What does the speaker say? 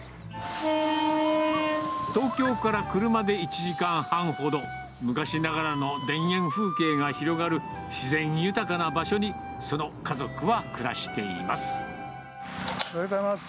東京から車で１時間半ほど、昔ながらの田園風景が広がる、自然豊かな場所に、その家族は暮らしています。